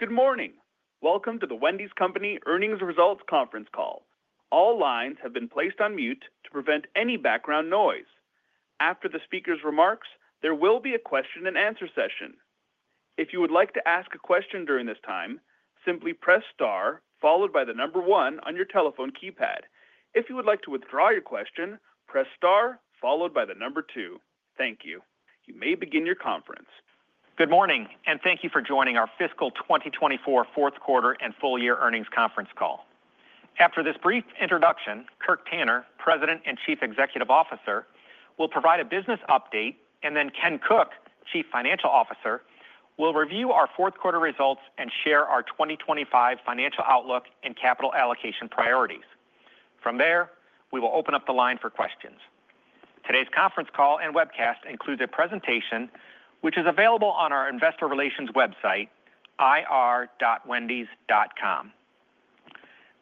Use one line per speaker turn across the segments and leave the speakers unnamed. Good morning. Welcome to The Wendy's Company Earnings Results Conference Call. All lines have been placed on mute to prevent any background noise. After the speaker's remarks, there will be a question and answer session. If you would like to ask a question during this time, simply press star followed by the number one on your telephone keypad. If you would like to withdraw your question, press STAR followed by the number two. Thank you. You may begin your conference.
Good morning and thank you for joining our Fiscal 2024 Fourth Quarter and Full Year Earnings Conference Call. After this brief introduction, Kirk Tanner, President and Chief Executive Officer, will provide a business update and then Ken Cook, Chief Financial Officer, will review our fourth quarter results and share our 2025 financial outlook and capital allocation priorities. From there we will open up the line for questions. Today's conference call and webcast includes a presentation which is available on our investor relations website, ir.wendys.com.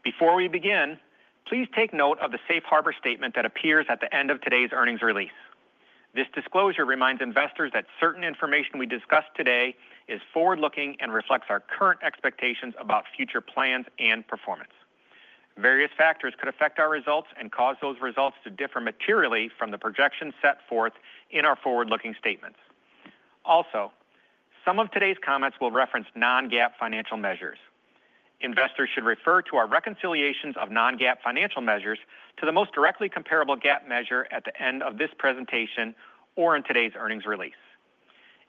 Before we begin, please take note of the safe harbor statement that appears at the end of today's earnings release. This disclosure reminds investors that certain information we discuss today is forward-looking and reflects our current expectations about future plans and performance. Various factors could affect our results and cause those results to differ materially from the projections set forth in our forward-looking statements. Also, some of today's comments will reference non-GAAP financial measures. Investors should refer to our reconciliations of non-GAAP financial measures to the most directly comparable GAAP measure at the end of this presentation or in today's earnings release.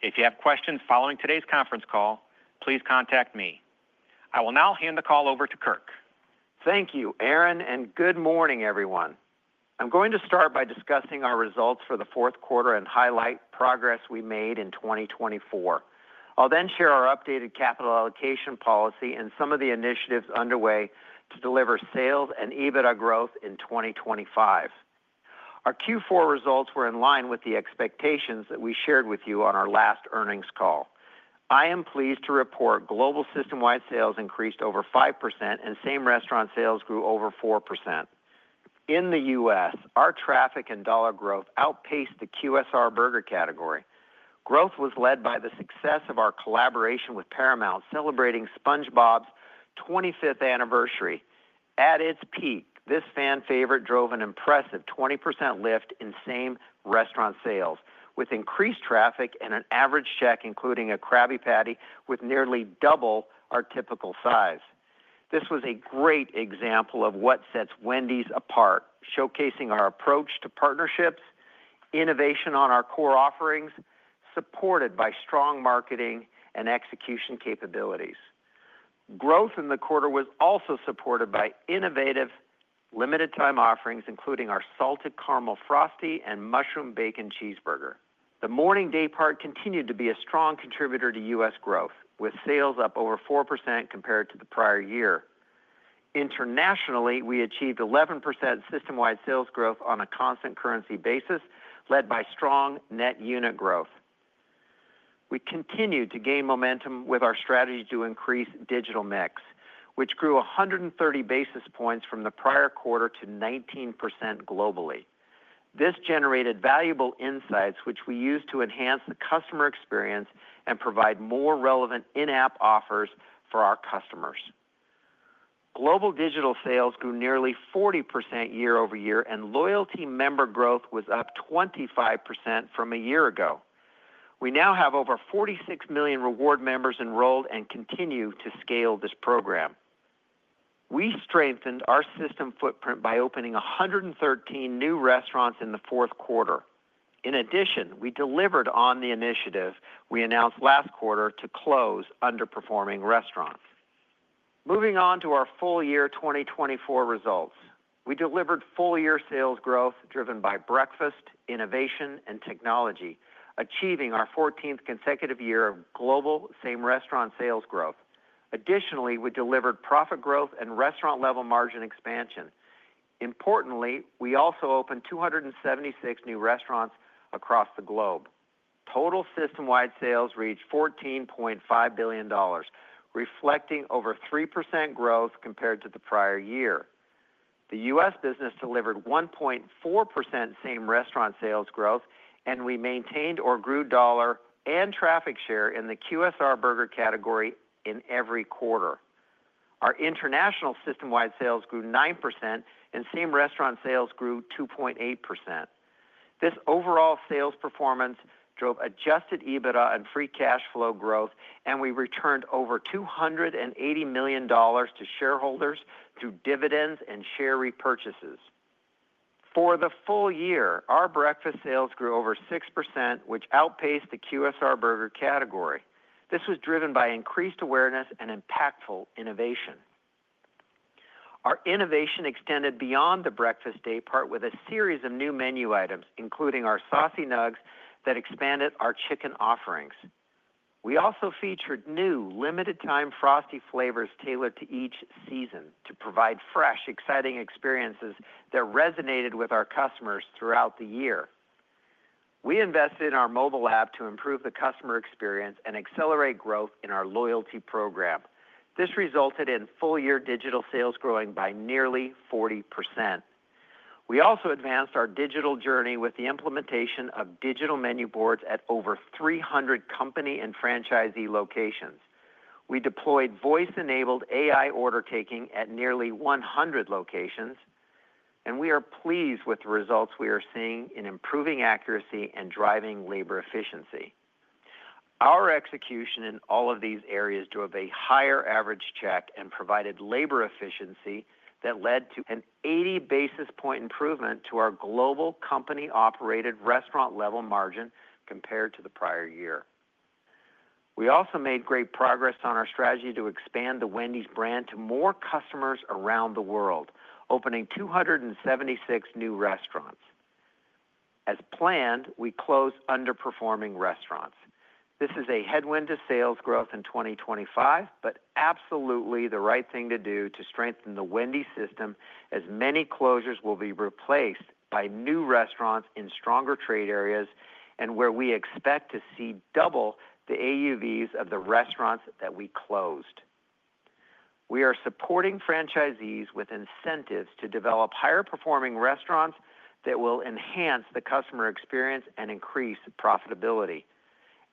If you have questions following today's conference call, please contact me. I will now hand the call over to Kirk.
Thank you, Aaron, and good morning everyone. I'm going to start by discussing our results for the fourth quarter and highlight progress we made in 2024. I'll then share our updated capital allocation policy and some of the initiatives underway to deliver sales and EBITDA growth in 2025. Our Q4 results were in line with the expectations that we shared with you on our last earnings call. I am pleased to report global systemwide sales increased over 5% and same-restaurant sales grew over 4% in the U.S. Our traffic and dollar growth outpaced the QSR burger category. Growth was led by the success of our collaboration with Paramount celebrating SpongeBob's 25th anniversary. At its peak, this fan favorite drove an impressive 20% lift in same-restaurant sales with increased traffic and an average check including a Krabby Patty with nearly double our typical size. This was a great example of what sets Wendy's apart, showcasing our approach to partnerships, innovation on our core offerings supported by strong marketing and execution capabilities. Growth in the quarter was also supported by innovative limited time offerings including our Salted Caramel Frosty and Mushroom Bacon Cheeseburger. The morning daypart continued to be a strong contributor to U.S. growth with sales up over 4% compared to the prior year. Internationally we achieved 11% systemwide sales growth on a constant currency basis led by strong net unit growth. We continue to gain momentum with our strategy to increase digital mix which grew 130 basis points from the prior quarter to 19% globally. This generated valuable insights which we used to enhance the customer experience and provide more relevant in-app offers for our customers. Global digital sales grew nearly 40% year over year and loyalty member growth was up 25% from a year ago. We now have over 46 million reward members enrolled and continue to scale this program. We strengthened our system footprint by opening 113 new restaurants in the fourth quarter. In addition, we delivered on the initiative we announced last quarter to close underperforming restaurants. Moving on to our full year 2024 results. We delivered full year sales growth driven by breakfast innovation and technology, achieving our 14th consecutive year of global same-restaurant sales growth. Additionally, we delivered profit growth and restaurant-level margin expansion. Importantly, we also opened 276 new restaurants across the globe. Total systemwide sales reached $14.5 billion reflecting over 3%+ growth compared to the prior year. The U.S. business delivered 1.4% same-restaurant sales growth and we maintained or grew dollar and traffic share in the QSR Burger category in every quarter. Our international systemwide sales grew 9% and same-restaurant sales grew 2.8%. This overall sales performance drove Adjusted EBITDA and free cash flow growth and we returned over $280 million to shareholders through dividends and share repurchases. For the full year, our breakfast sales grew over 6%+ which outpaced the QSR Burger category. This was driven by increased awareness and impactful innovation. Our innovation extended beyond the breakfast daypart with a series of new menu items including our Saucy Nuggs that expanded our chicken offerings. We also featured new limited-time Frosty flavors tailored to each seasonal to provide fresh exciting experiences that resonated with our customers throughout the year. We invested in our mobile app to improve the customer experience and accelerate growth in our loyalty program. This resulted in full year digital sales growing by nearly 40%. We also advanced our digital journey with the implementation of digital menu boards at over 300 company and franchisee locations. We deployed voice-enabled AI order taking at nearly 100 locations and we are pleased with the results we are seeing in improving accuracy and driving labor efficiency. Our execution in all of these areas drove a higher average check and provided labor efficiency that led to an 80 basis point improvement to our global company-operated restaurant-level margin compared to the prior year. We also made great progress on our strategy to expand the Wendy's brand to more customers around the world, opening 276 new restaurants as planned. We closed underperforming restaurants. This is a headwind to sales growth in 2025, but absolutely the right thing to do to strengthen the Wendy's system as many closures will be replaced by new restaurants in stronger trade areas and where we expect to see double the AUVs of the restaurants that we closed. We are supporting franchisees with incentives to develop higher performing restaurants that will enhance the customer experience and increase profitability.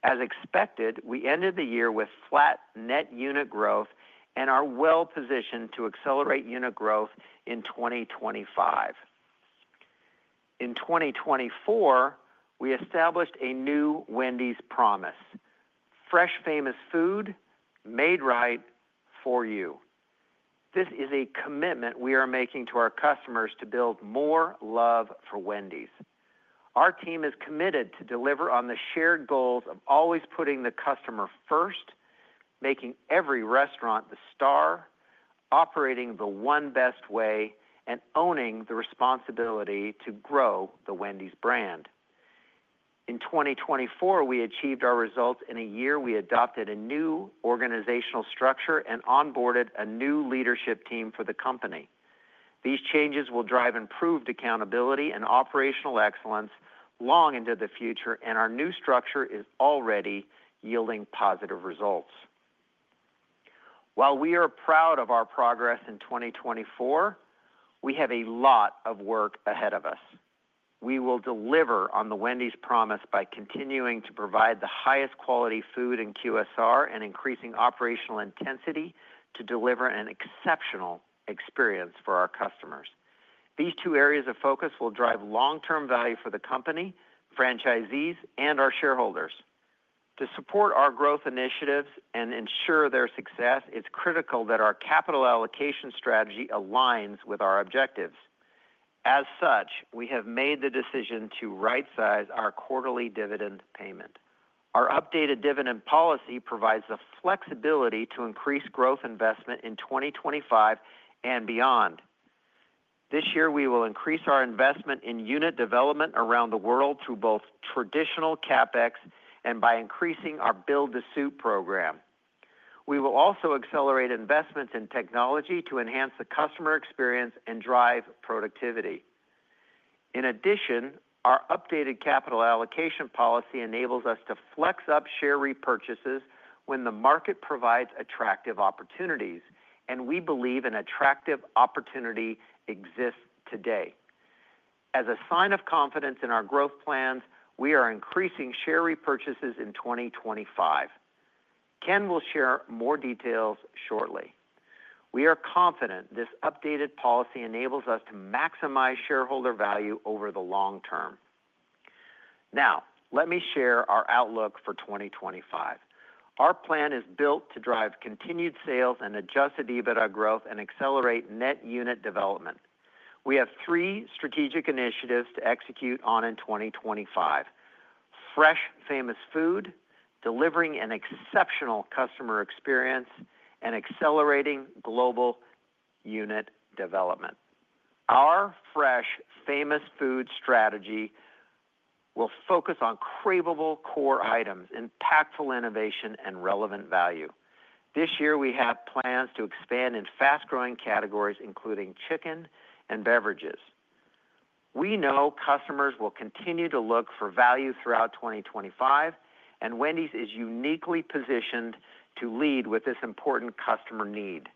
As expected, we ended the year with flat net unit growth and are well positioned to accelerate unit growth and in 2025. In 2024 we established a new Wendy's Promise. Fresh Famous Food, Made Right, For You. This is a commitment we are making to our customers to build more love for Wendy's. Our team is committed to deliver on the shared goals of always putting the customer first, making every restaurant the star, operating the One Best Way and owning the responsibility to grow the Wendy's brand. In 2024 we achieved our results in a year. We adopted a new organizational structure and onboarded a new leadership team for the company. These changes will drive improved accountability and operational excellence long into the future and our new structure is already yielding positive results. While we are proud of our progress in 2024, we have a lot of work ahead of us. We will deliver on the Wendy's Promise by continuing to provide the highest quality food and QSR and increasing operational intensity to deliver an exceptional experience for our customers. These two areas of focus will drive long-term value for the company, franchisees and our shareholders. To support our growth initiatives and ensure their success, it's critical that our capital allocation strategy aligns with our objectives. As such, we have made the decision to right-size our quarterly dividend payment. Our updated dividend policy provides the flexibility to increase growth investment in 2025 and beyond. This year we will increase our investment in unit development around the world through both traditional CapEx and by increasing our Build-to-Suit program. We will also accelerate investments in technology to enhance the customer experience and drive productivity. In addition, our updated capital allocation policy enables us to flex up share repurchases when the market provides attractive opportunities and we believe an attractive opportunity exists today. As a sign of confidence in our growth plans, we are increasing share repurchases in 2025. Ken will share more details shortly. We are confident this updated policy enables us to maximize shareholder value over the long term. Now let me share our outlook for 2025. Our plan is built to drive continued sales and Adjusted EBITDA growth and accelerate net unit development. We have three strategic initiatives to execute on in 2025: Fresh Famous Food, delivering an exceptional customer experience, and accelerating global unit development. Our Fresh Famous Food strategy will focus on craveable core items, impactful innovation and relevant value. This year we have plans to expand in fast-growing categories including chicken and beverages. We know customers will continue to look for value throughout 2025 and Wendy's is uniquely positioned to lead with this important customer need.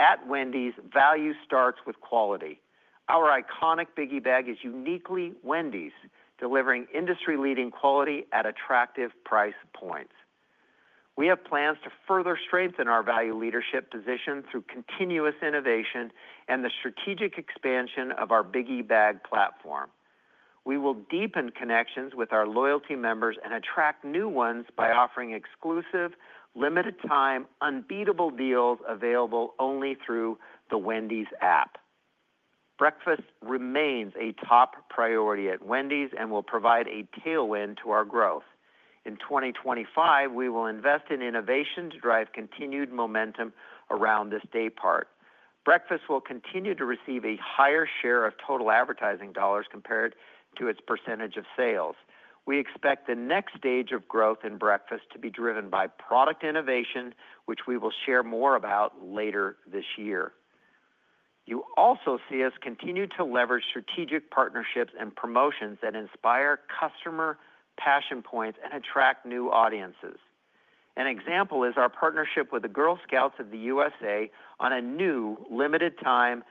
At Wendy's, value starts with quality. Our iconic Biggie Bag is uniquely Wendy's, delivering industry-leading quality at attractive price points. We have plans to further strengthen our value leadership position through continuous innovation and the strategic expansion of our Biggie Bag platform. We will deepen connections with our loyalty members and attract new ones by offering exclusive limited-time unbeatable deals available only through the Wendy's app. Breakfast remains a top priority at Wendy's and will provide a tailwind to our growth in 2025. We will invest in innovation to drive continued momentum around this daypart. Breakfast will continue to receive a higher share of total advertising dollars compared to its percentage of sales. We expect the next stage of growth in breakfast to be driven by product innovation which we will share more about later this year. You also see us continue to leverage strategic partnerships and promotions that inspire customer passion points and attract new audiences. An example is our partnership with the Girl Scouts of the U.S.A. on a new limited time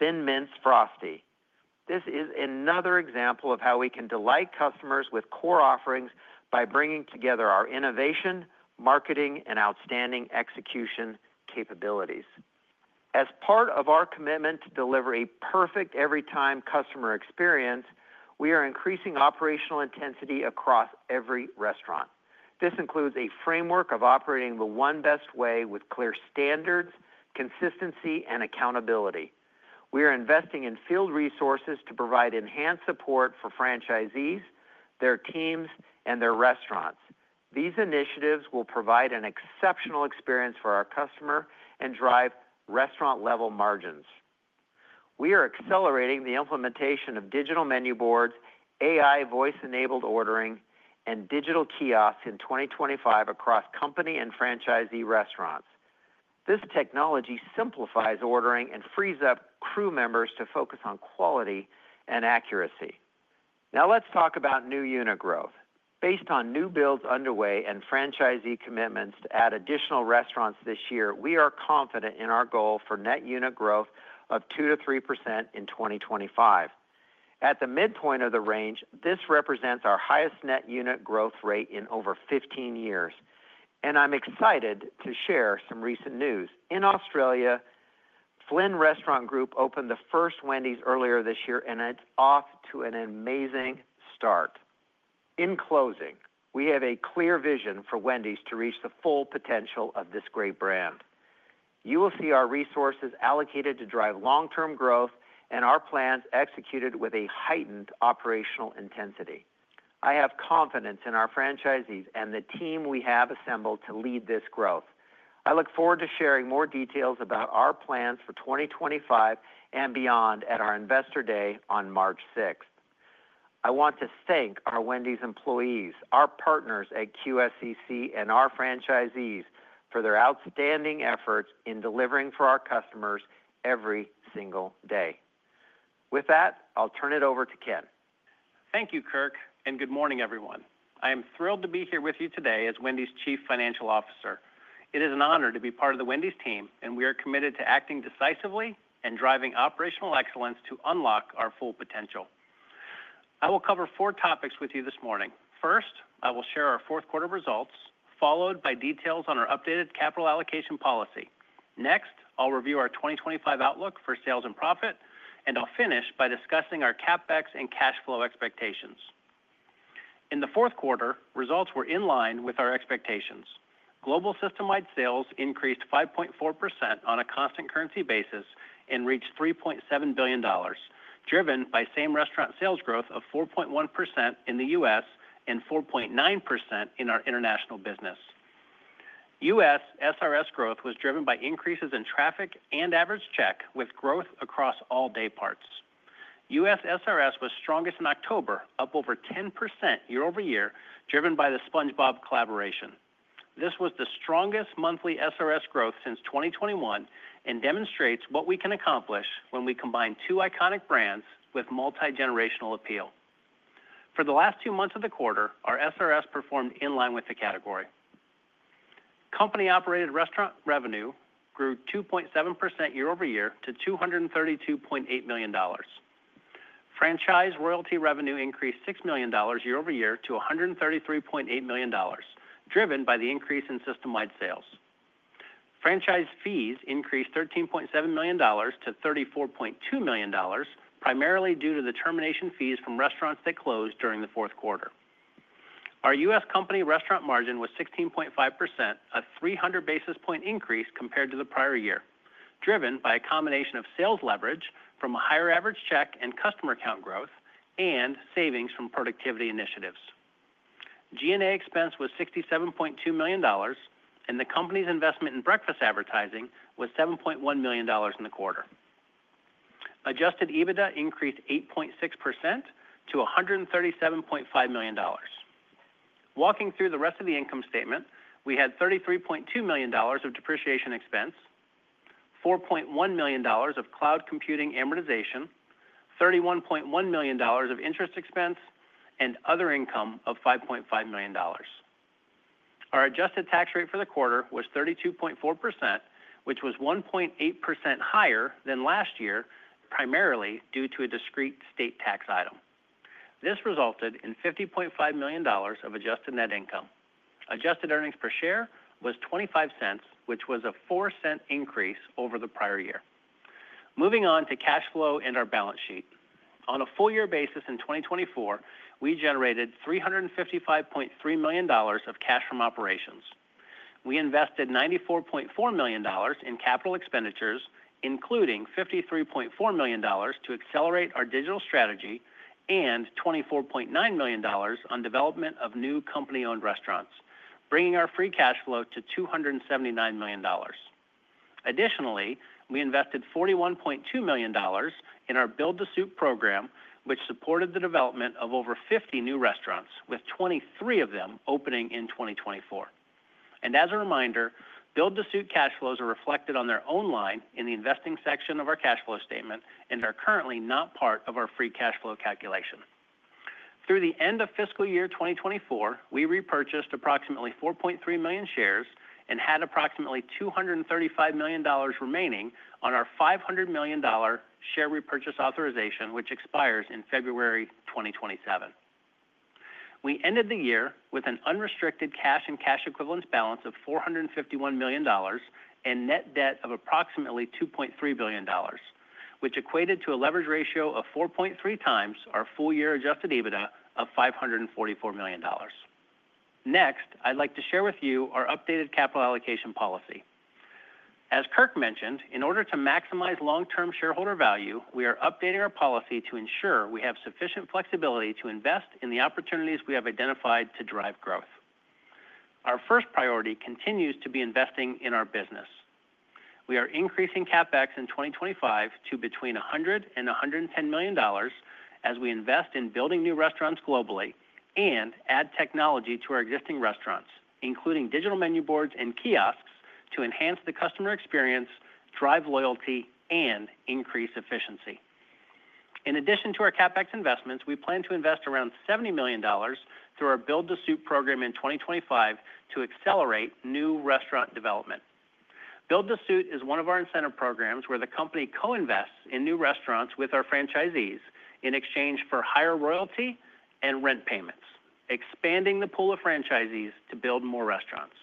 Thin Mints Frosty. This is another example of how we can delight customers with core offerings by bringing together our innovation, marketing and outstanding execution capabilities. As part of our commitment to deliver a perfect every time customer experience, we are increasing operational intensity across every restaurant. This includes a framework of operating the One Best Way with clear standards, consistency and accountability. We are investing in field resources to provide enhanced support for franchisees, their teams and their restaurants. These initiatives will provide an exceptional experience for our customer and drive restaurant-level margins. We are accelerating the implementation of digital menu boards, AI voice-enabled ordering and digital kiosks in 2025 across company and franchisee restaurants. This technology simplifies ordering and frees up crew members to focus on quality and accuracy. Now let's talk about new unit growth. Based on new builds underway and franchisee commitments to add additional restaurants this year, we are confident in our goal for net unit growth of 2%-3% in 2025 at the midpoint of the range. This represents our highest net unit growth rate in over 15 years and I'm excited to share some recent news. In Australia, Flynn Restaurant Group opened the first Wendy's earlier this year and it's off to an amazing start. In closing, we have a clear vision for Wendy's to reach the full potential of this great brand. You will see our resources allocated to drive long term growth and our plans executed with a heightened operational intensity. I have confidence in our franchisees and the team we have assembled to lead this growth. I look forward to sharing more details about our plans for 2025 and beyond at our Investor Day on March 6th. I want to thank our Wendy's employees, our partners at QSCC and our franchisees for their outstanding efforts in delivering for our customers every single day. With that, I'll turn it over to Ken.
Thank you, Kirk, and good morning, everyone. I am thrilled to be here with you today as Wendy's Chief Financial Officer. It is an honor to be part of the Wendy's team and we are committed to acting decisively and driving operational excellence to unlock our full potential. I will cover four topics with you this morning. First, I will share our fourth quarter results followed by details on our updated capital allocation policy. Next, I'll review our 2025 outlook for sales and profit and I'll finish by discussing our CapEx and cash flow expectations. In the fourth quarter, results were in line with our expectations. Global systemwide sales increased 5.4% on a constant currency basis and reached $3.7 billion driven by same-restaurant sales growth of 4.1% in the U.S. and 4.9% in our international business. U.S. SRS growth was driven by increases in traffic and average check with growth across all dayparts. U.S. SRS was strongest in October up over 10%+ year over year driven by the SpongeBob collaboration. This was the strongest monthly SRS growth since 2021 and demonstrates what we can accomplish when we combine two iconic brands with multigenerational appeal. For the last two months of the quarter, our SRS performed in line with the category. Company-operated restaurant revenue grew 2.7% year over year to $232.8 million. Franchise royalty revenue increased $6 million year over year to $133.8 million driven by the increase in systemwide sales. Franchise fees increased $13.7 million-$34.2 million primarily due to the termination fees from restaurants that closed during the fourth quarter. Our U.S. Company restaurant margin was 16.5%, a 300 basis point increase compared to the prior year, driven by a combination of sales leverage from a higher average check and customer count growth and savings from productivity initiatives. G&A expense was $67.2 million and the company's investment in breakfast advertising was $7.1 million. In the quarter, adjusted EBITDA increased 8.6% to $137.5 million. Walking through the rest of the income statement, we had $33.2 million of depreciation expense, $4.1 million of cloud computing amortization, $31.1 million of interest expense, and $5.5 million of other income. Our adjusted tax rate for the quarter was 32.4%, which was 1.8% higher than last year, primarily due to a discrete state tax item. This resulted in $50.5 million of adjusted net income. Adjusted earnings per share was $0.25, which was a $0.04 increase over the prior year. Moving on to cash flow and our balance sheet on a full year basis, in 2024 we generated $355.3 million of cash from operations. We invested $94.4 million in capital expenditures, including $53.4 million to accelerate our digital strategy and $24.9 million on development of new company-owned restaurants, bringing our free cash flow to $279 million. Additionally, we invested $41.2 million in our Build-to-Suit program, which supported the development of over 50 new restaurants, with 23 of them opening in 2024. As a reminder, Build-to-Suit cash flows are reflected on their own line in the Investing section of our cash flow statement and are currently not part of our free cash flow calculation. Through the end of fiscal year 2024, we repurchased approximately 4.3 million shares and had approximately $235 million remaining on our $500 million share repurchase authorization which expires in February 2027. We ended the year with an unrestricted cash and cash equivalents balance of $451 million and net debt of approximately $2.3 billion, which equated to a leverage ratio of 4.3 times our full-year Adjusted EBITDA of $544 million. Next, I'd like to share with you our updated capital allocation policy. As Kirk mentioned, in order to maximize long-term shareholder value, we are updating our policy to ensure we have sufficient flexibility to invest in the opportunities we have identified to drive growth. Our first priority continues to be investing in our business. We are increasing CapEx in 2025 to between $100 million-$110 million as we invest in building new restaurants globally and add technology to our existing restaurants, including digital menu boards and kiosks to enhance the customer experience, drive loyalty and increase efficiency. In addition to our CapEx investments, we plan to invest around $70 million through our Build-to-Suit program in 2025 to accelerate new restaurant development. Build-to-Suit is one of our incentive programs where the company co-invests in new restaurants with our franchisees in exchange for higher royalty and rent payments, expanding the pool of franchisees to build more restaurants.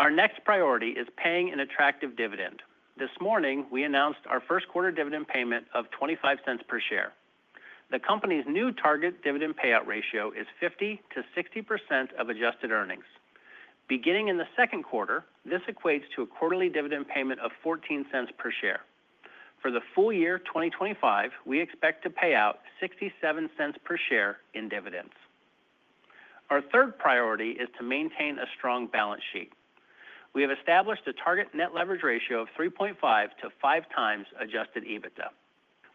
Our next priority is paying an attractive dividend. This morning we announced our first quarter dividend payment of $0.25 per share. The company's new target dividend payout ratio is 50%-60% of adjusted earnings beginning in the second quarter. This equates to a quarterly dividend payment of $0.14 per share. For the full year 2025, we expect to pay out $0.67 per share in dividends. Our third priority is to maintain a strong balance sheet. We have established a target net leverage ratio of 3.5x-5x adjusted EBITDA.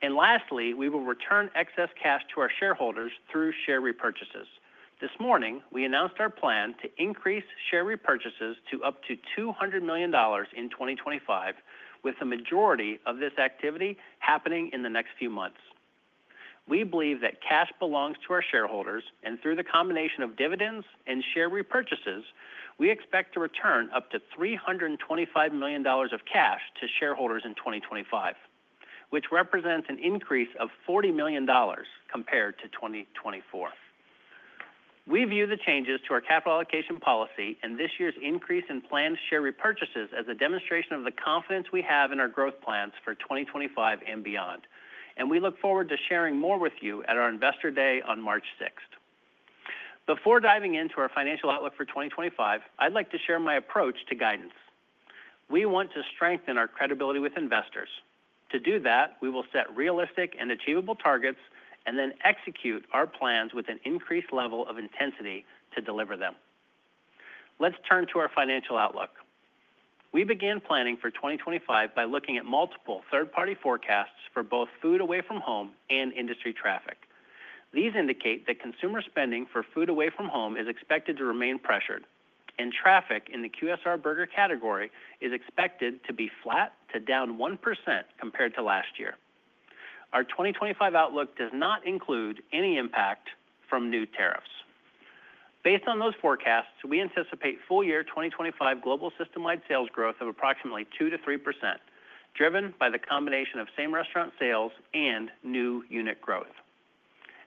And lastly, we will return excess cash to our shareholders through share repurchases. This morning we announced our plan to increase share repurchases to up to $200 million in 2025, with the majority of this activity happening in the next few months. We believe that cash belongs to our shareholders and through the combination of dividends and share repurchases, we expect to return up to $325 million of cash to shareholders in 2025, which represents an increase of $40 million compared to 2024. We view the changes to our capital allocation policy and this year's increase in planned share repurchases as a demonstration of the confidence we have in our growth plans for 2025 and beyond, and we look forward to sharing more with you at our Investor Day on March 6th. Before diving into our financial outlook for 2025, I'd like to share my approach to guidance. We want to strengthen our credibility with investors. To do that, we will set realistic and achievable targets and then execute our plans with an increased level of intensity to deliver them. Let's turn to our financial outlook. We began planning for 2025 by looking at multiple third party forecasts for both food away from home and industry traffic. These indicate that consumer spending for food away from home is expected to remain pressured and traffic in the QSR burger category is expected to be flat to down 1% compared to last year. Our 2025 outlook does not include any impact from new tariffs. Based on those forecasts, we anticipate full year 2025 global systemwide sales growth of approximately 2%-3% driven by the combination of same-restaurant sales and new unit growth.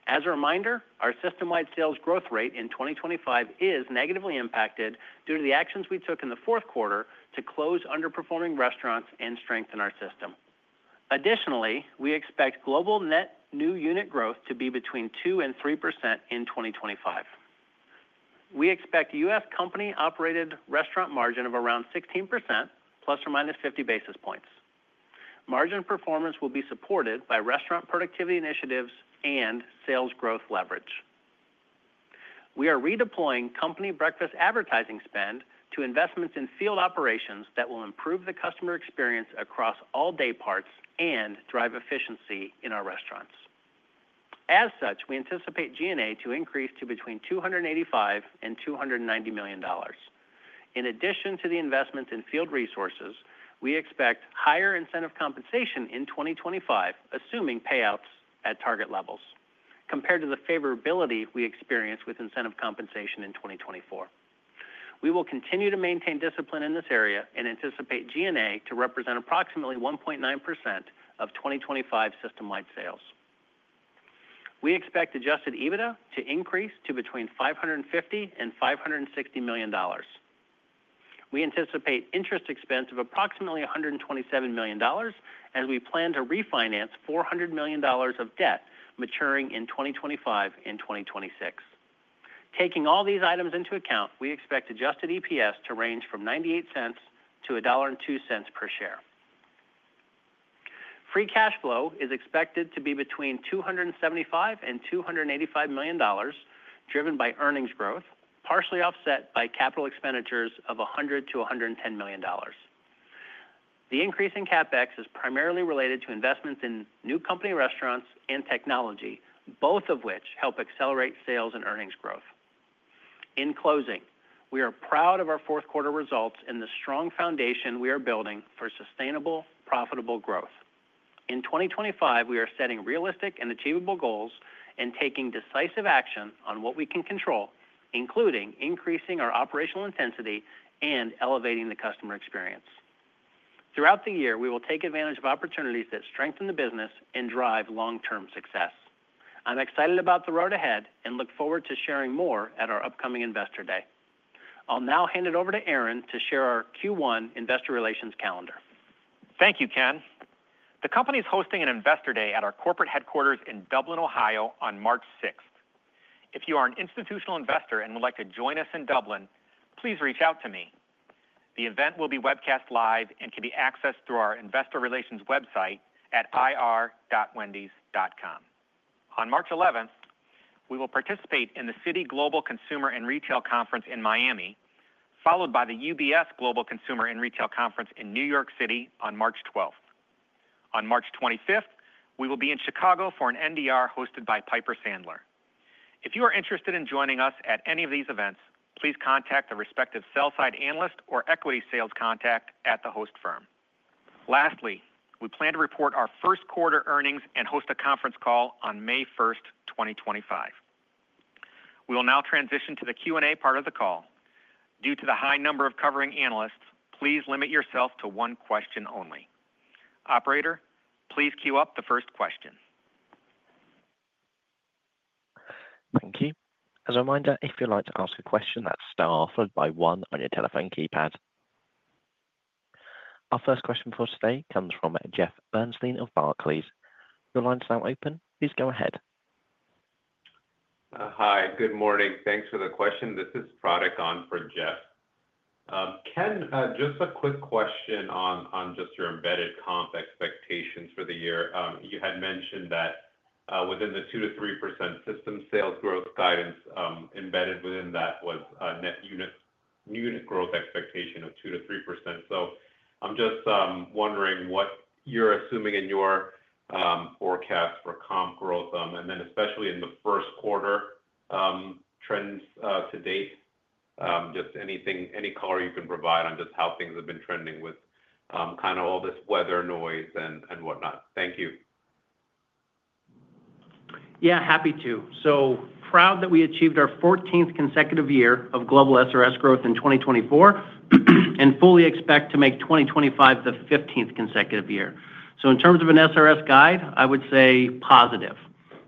As a reminder, our systemwide sales growth rate in 2025 is negatively impacted due to the actions we took in the fourth quarter to close underperforming restaurants and strengthen our system. Additionally, we expect global net new unit growth to be between 2% and 3% in 2025. We expect U.S. company-operated restaurant margin of around 16% ±50 basis points. Margin performance will be supported by restaurant productivity initiatives and sales growth leverage. We are redeploying company breakfast advertising spend to investments in field operations that will improve the customer experience across all dayparts and drive efficiency in our restaurants. As such, we anticipate G&A to increase to between $285 million-$290 million. In addition to the investment in field resources, we expect higher incentive compensation in 2025 assuming payouts at target levels compared to the favorability we experienced with incentive compensation in 2024. We will continue to maintain discipline in this area and anticipate G&A to represent approximately 1.9% of 2025 systemwide sales. We expect Adjusted EBITDA to increase to between $550 million-$560 million. We anticipate interest expense of approximately $127 million as we plan to refinance $400 million of debt maturing in 2025 and 2026. Taking all these items into account, we expect adjusted EPS to range from $0.98-$1.02 per share. Free cash flow is expected to be between $275 million-$285 million driven by earnings growth partially offset by capital expenditures of $100 million-$110 million. The increase in CapEx is primarily related to investments in new company restaurants and technology, both of which help accelerate sales and earnings growth. In closing, we are proud of our fourth quarter results and the strong foundation we are building for sustainable, profitable growth in 2025. We are setting realistic and achievable goals and taking decisive action on what we can control, including increasing our operational intensity and elevating the customer experience. Throughout the year, we will take advantage of opportunities that strengthen the business and drive long-term success. I'm excited about the road ahead and look forward to sharing more at our upcoming Investor Day. I'll now hand it over to Aaron to share our Q1 investor relations calendar.
Thank you, Ken. The company is hosting an Investor Day at our corporate headquarters in Dublin, Ohio on March 6th. If you are an institutional investor and would like to join us in Dublin, please reach out to me. The event will be webcast live and can be accessed through our Investor Relations website at ir.wendys.com. On March 11, we will participate in the Citi Global Consumer and Retail Conference in Miami followed by the UBS Global Consumer and Retail Conference in New York City on March 12th. On March 25th we will be in Chicago for an NDR hosted by Piper Sandler. If you are interested in joining us at any of these events, please contact the respective sell-side analyst or equity sales contact at the host firm. Lastly, we plan to report our first quarter earnings and host a conference call on May 1, 2025. We will now transition to the Q&A part of the call due to the high number of covering analysts. Please limit yourself to one question only. Operator, please queue up the first question.
Thank you. As a reminder, if you'd like to ask a question that's star followed by one on your telephone keypad. Our first question for today comes from Jeff Bernstein of Barclays. Your line is now open. Please go ahead.
Hi, good morning. Thanks for the question. This is Farhan Khan for Jeff. Ken, just a quick question on just your embedded comp expectations for the year. You had mentioned that within the 2%-3% system sales growth guidance embedded within that was net unit growth expectation of 2%-3%. So I'm just wondering what you're assuming. In your forecast for comp growth and. Then, especially in the first quarter trends to date, just anything, any color you can provide on just how things have been trending with kind of all this weather noise and whatnot. Thank you.
Yeah, happy to. So proud that we achieved our 14th consecutive year of global SRS growth in 2024 and fully expect to make 2025 the 15th consecutive year. So in terms of an SRS guide, I would say positive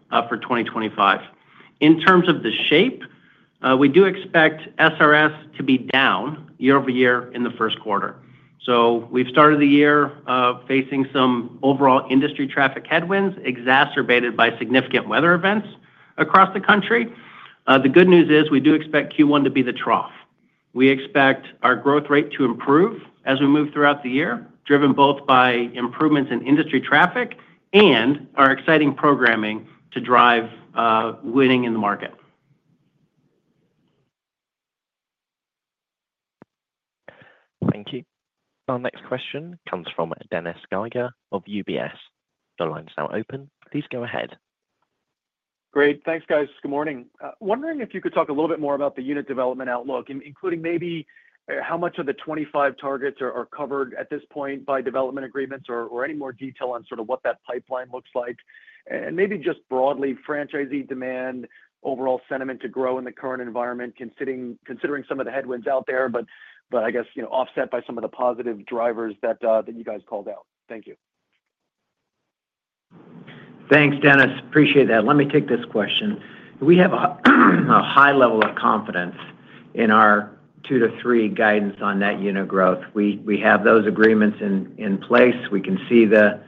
for 2025 in terms of the shape. We do expect SRS to be down year over year in the first quarter. So we've started the year facing some overall industry traffic headwinds exacerbated by significant weather events across the country. The good news is we do expect Q1 to be the trough. We expect our growth rate to improve as we move throughout the year, driven both by improvements in industry traffic and our exciting programming to drive winning in the market.
Thank you.
Our next question comes from Dennis Geiger of UBS. The line is now open. Please go ahead.
Great. Thanks guys. Good morning. Wondering if you could talk a little bit more about the unit development outlook, including maybe how much of the 25 targets are covered at this point by development agreements or any more detail on sort of what that pipeline looks like and maybe just broadly franchisee demand overall sentiment to grow in the current environment, considering some of the headwinds out there, but I guess offset by some of the positive drivers that you guys called out. Thank you.
Thanks, Dennis. Appreciate that. Let me take this question. We have a high level of confidence in our 2%-3% guidance on net unit growth. We have those agreements in place. We can see the,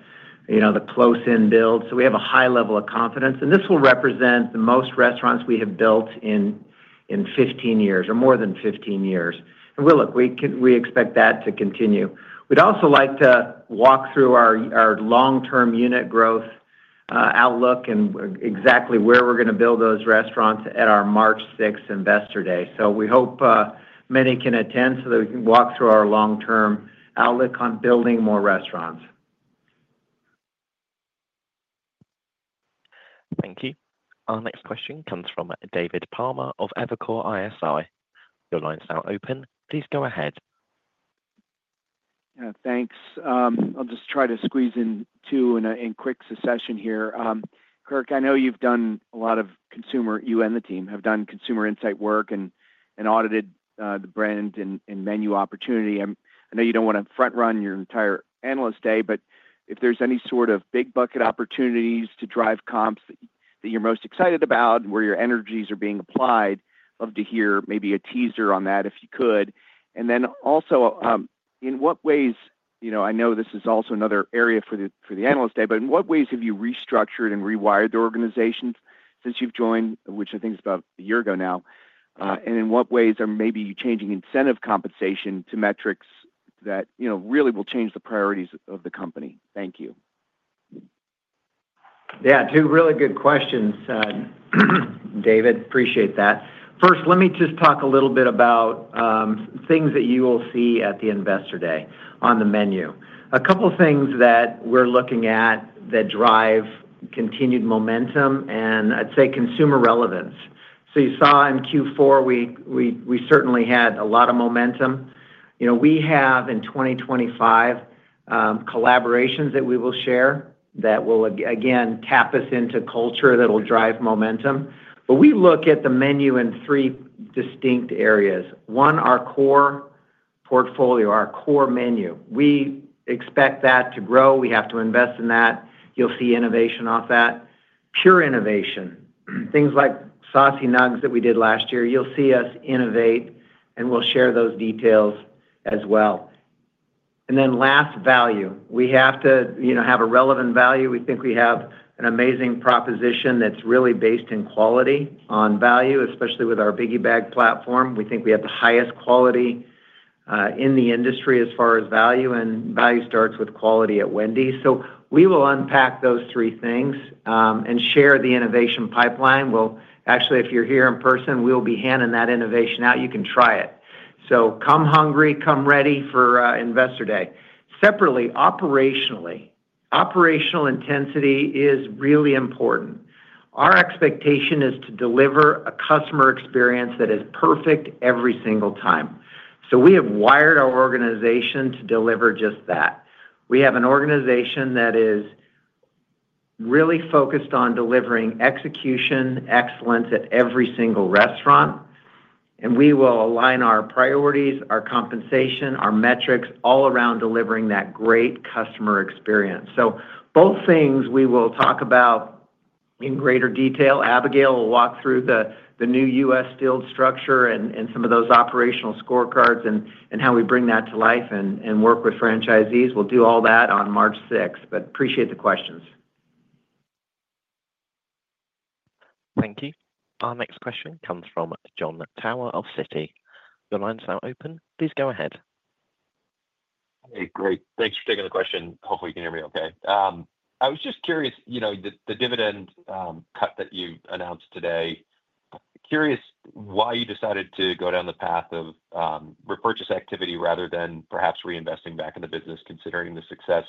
you know, the close in build. So we have a high level of confidence and this will represent the most restaurants we have built in 15 years or more than 15 years. Look, we expect that to continue. We'd also like to walk through our long term unit growth outlook and exactly where we're going to build those restaurants at our March 6th Investor Day. So we hope many can attend so that we can walk through our long term outlook on building more restaurants. Thank you. Our next question comes from David Palmer of Evercore ISI. Your line is now open. Please go ahead.
Thanks. I'll just try to squeeze in two in quick succession here. Kirk, I know you've done a lot of consumer, you and the team have done consumer insight work and audited the brand and menu opportunity. I know you don't want to front run your entire analyst day, but if there's any sort of big bucket opportunities to drive comps that you're most excited about, where your energies are being applied. Love to hear maybe a teaser on that if you could. And then also in what ways? You know, I know this is also another area for the analyst day, but in what ways have you restructured and rewired the organization since you've joined, which I think is about a year ago now. And in what ways are maybe you changing incentive compensation to metrics that you know really will change the priorities of the company? Thank you.
Yeah, two really good questions, David. Appreciate that. First, let me just talk a little bit about things that you will see at the Investor Day on the menu. A couple things that we're looking at that drive continued momentum and I'd say consumer relevance. So you saw in Q4, we certainly had a lot of momentum. We have, in 2025, collaborations that we will share that will again tap us into culture, that will drive momentum. But we look at the menu in three distinct areas. One, our core portfolio, our core menu. We expect that to grow. We have to invest in that. You'll see innovation off that, pure innovation. Things like Saucy Nuggs that we did last year. You'll see us innovate, and we'll share those details as well. And then last value, we have to, you know, have a relevant value. We think we have an amazing proposition that's really based in quality, on value, especially with our Biggie Bag platform. We think we have the highest quality in the industry as far as value, and value starts with quality at Wendy's. So we will unpack those three things and share the innovation pipeline. Well, actually, if you're here in person, we'll be handing that innovation out. You can try it. So come hungry. Come ready for Investor Day. Separately, operationally, operational intensity is really important. Our expectation is to deliver a customer experience that is perfect every single time. So we have wired our organization to deliver just that. We have an organization that is really focused on delivering execution, excellence at every single restaurant. And we will align our priorities, our compensation, our metrics all around delivering that great customer experience. Both things we will talk about in greater detail. Abigail will walk through the new U.S. Field structure and some of those operational scorecards and how we bring that to life and work with franchisees. We'll do all that on March 6th. Appreciate the questions.
Thank you. Our next question comes from Jon Tower of Citi. Your line's now open. Please go ahead.
Great. Thanks for taking the question. Hopefully you can hear me. Okay. I was just curious, you know, the dividend cut that you announced today? Curious why you decided to go down the path of repurchase activity rather than perhaps reinvesting back in the business, considering the success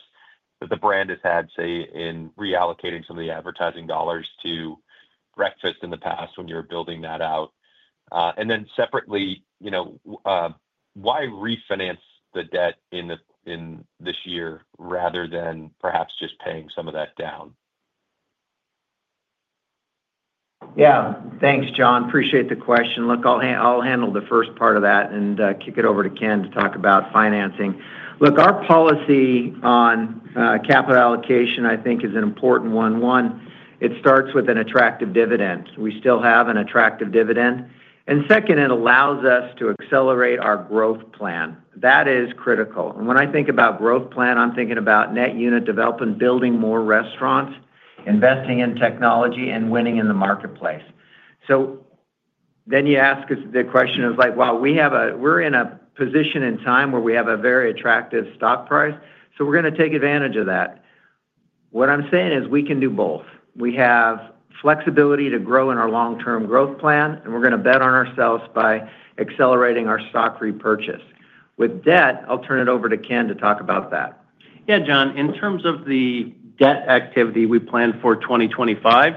that the brand has had, say, in reallocating some of the advertising dollars to breakfast in the past, when you're building that out. And then separately, you know, why refinance the debt in this year rather than perhaps just paying some of that down?
Yeah, thanks, Jon. Appreciate the question. Look, I'll handle the first part of that and kick it over to Ken to talk about financing. Look, our policy on capital allocation, I think, is an important one. One, it starts with an attractive dividend. We still have an attractive dividend. And second, it allows us to accelerate our growth plan. That is critical. And when I think about growth plan, I'm thinking about net unit development, building more restaurants, investing in technology and winning in the marketplace. So then you ask the question of like, while we have, we're in a position in time where we have a very attractive stock price, so we're going to take advantage of that. What I'm saying is we can do both. We have flexibility to grow in our long term growth plan and we're going to bet on ourselves by accelerating our stock repurchase with debt. I'll turn it over to Ken to talk about that.
Yeah, Jon, in terms of the debt activity we planned for 2025,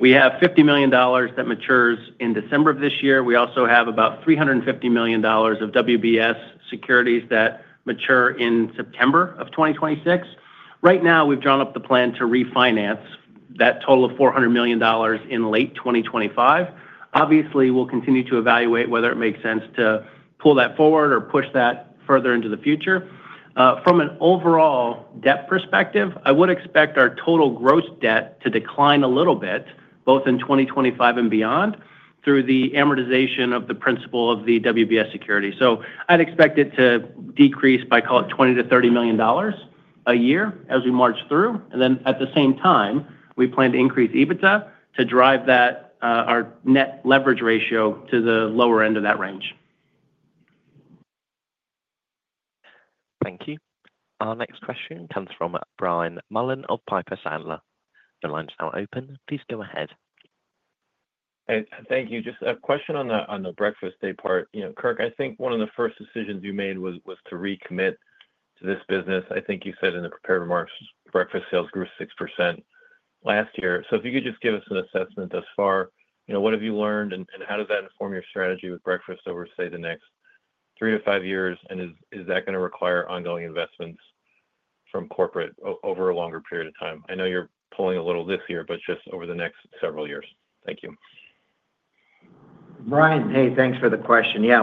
we have $50 million that matures in December of this year. We also have about $350 million of WBS securities that mature in September of 2026. Right now we've drawn up the plan to refinance that total of $400 million in late 2025. Obviously, we'll continue to evaluate whether it makes sense to pull that forward or push that further into the future. From an overall debt perspective, I would expect our total gross debt to decline a little bit both in 2025 and beyond through the amortization of the principal of the WBS security. So I'd expect it to decrease by call it $20 million-$30 million a year as we march through. At the same time, we plan to increase EBITDA to drive that, our net leverage ratio to the lower end of that range.
Thank you. Our next question comes from Brian Mullan of Piper Sandler. The line is now open. Please go ahead.
Thank you. Just a question on the breakfast daypart. Kirk, I think one of the first decisions you made was to recommit to this business. I think you said in the prepared remarks breakfast sales grew 6%. So if you could just give us an assessment thus far, you know, what. Have you learned and how does that inform your strategy with breakfast over, say, the next three to five years? And is that going to require ongoing investments from corporate over a longer period of time? I know you're pulling a little this year, but just over the next several years. Thank you.
Brian. Hey, thanks for the question. Yeah,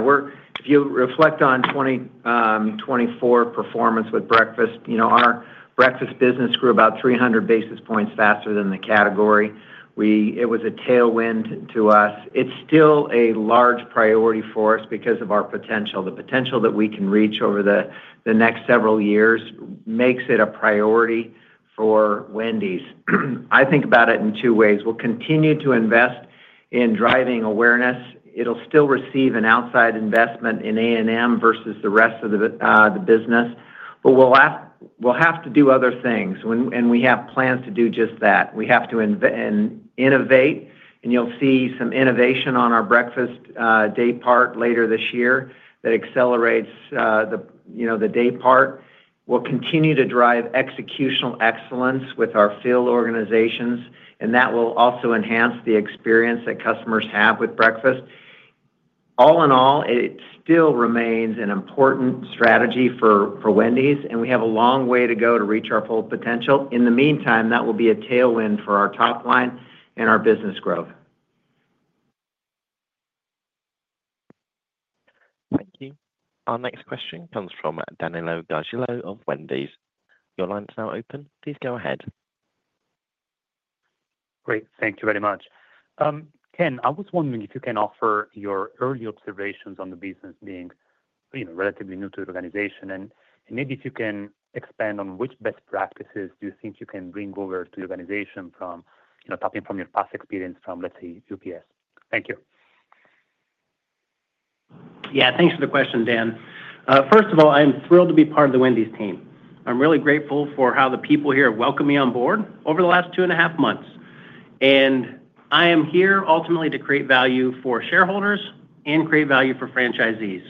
if you reflect on 2024 performance with breakfast, you know, our breakfast business grew about 300 basis points faster than the category. It was a tailwind to us. It's still a large priority for us because of our potential. The potential that we can reach over the next several years makes it a priority for Wendy's. I think about it in two ways. We'll continue to invest in driving awareness. It'll still receive an outside investment in A&M versus the rest of the business. But we'll have to do other things and we have plans to do just that. We have to innovate. And you'll see some innovation on our breakfast daypart later this year. That accelerates the daypart. We'll continue to drive executional excellence with our field organizations and that will also enhance the experience that customers have with breakfast. All in all, it still remains an important strategy for Wendy's and we have a long way to go to reach our full potential. In the meantime, that will be a tailwind for our top line and our business growth.
Thank you. Our next question comes from Danilo Gargiulo of Bernstein. Your line is now open. Please go ahead.
Great. Thank you. Thank you very much. Ken, I was wondering if you can offer your early observations on the business. Being relatively new to the organization and maybe if you can expand on which best practices do you think you can bring over to the organization from tapping into your past experience from, let's say, UBS. Thank you.
Yeah, thanks for the question, Dan. First of all, I am thrilled to be part of the Wendy's team. I'm really grateful for how the people here welcomed me on board over the last two and a half months, and I am here ultimately to create value for shareholders and create value for franchisees.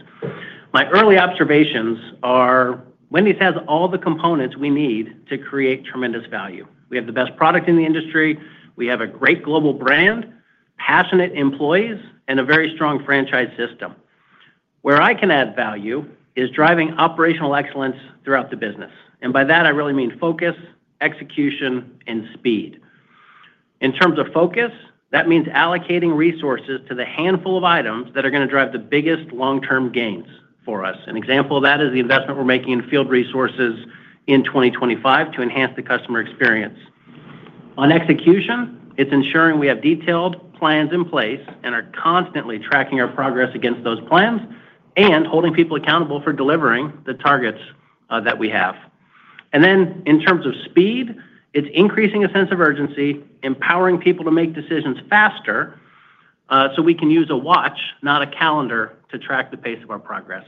My early observations are Wendy's has all the components we need to create tremendous value. We have the best product in the industry. We have a great global brand, passionate employees, and a very strong franchise system. Where I can add value is driving operational excellence throughout the business, and by that I really mean focus, execution and speed. In terms of focus, that means allocating resources to the handful of items that are going to drive the biggest long term gains for us. An example of that is the investment we're making in field resources in 2025 to enhance the customer experience on execution. It's ensuring we have detailed plans in place and are constantly tracking our progress against those plans and holding people accountable for delivering the targets that we have. And then in terms of speed, it's increasing a sense of urgency, empowering people to make decisions faster. So we can use a watch, not a calendar, to track the pace of our progress.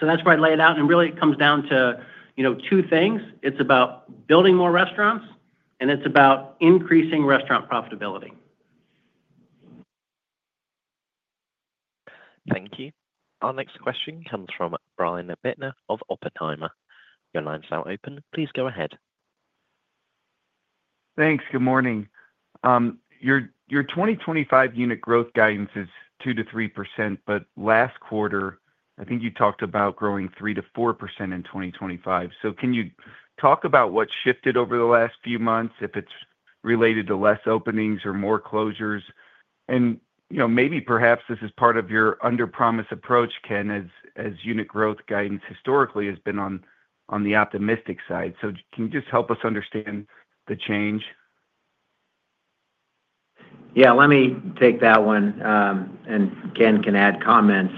So that's where I lay it out. And really it comes down to, you know, two things. It's about building more restaurants and it's about increasing restaurant profitability.
Thank you. Our next question comes from Brian Bittner of Oppenheimer. Your line's now open, please. Go ahead.
Thanks. Good morning. Your 2025 unit growth guidance is 2%-3%. But last quarter, I think you talked about growing 3%-4% in 2025. So can you talk about what shifted over the last few months? If it's related to less openings or more closures and you know, maybe perhaps this is part of your under promise approach. Ken, as unit growth guidance historically has been on the optimistic side. So can you just help us understand the change?
Yeah, let me take that one. And Ken can add comments